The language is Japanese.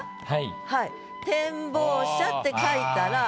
はい。